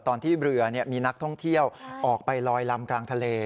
ตอนที่เรือมีนักท่องเที่ยวออกไปลอยลำกลางทะเล